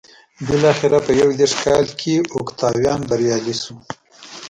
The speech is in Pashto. بلاخره په یو دېرش کال کې اوکتاویان بریالی شو